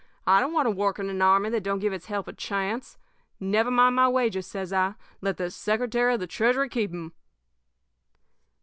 I don't want to work in an army that don't give its help a chance. Never mind my wages,' says I; 'let the Secretary of the Treasury keep 'em.'